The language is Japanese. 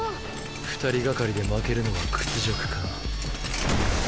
２人がかりで負けるのは屈辱か？